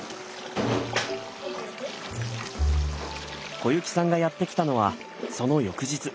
小雪さんがやって来たのはその翌日。